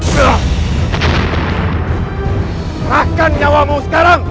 serahkan dewamu sekarang